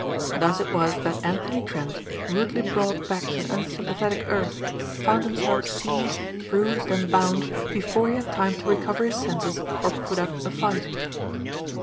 Thus it was that Anthony Trent, rudely brought back to an unsympathetic earth, found himself seized, bruised and bound before he had time to recover his senses or put up a fight.